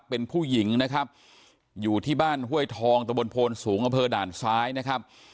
เป็นผู้หญิงนะครับอยู่ที่บ้านห้วยทองตะบนโพนสูงอำเภอด่านซ้ายนะครับ